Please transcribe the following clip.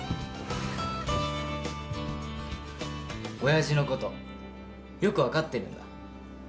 親父の事よくわかってるんだ。